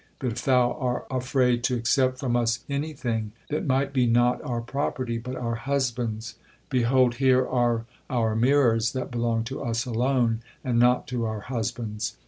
But if thou are afraid to accept from us anything that might be not our property, but our husbands', behold, here are our mirrors that belong to us alone, and not to our husbands."